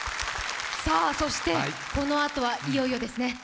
そして、このあとはいよいよですね。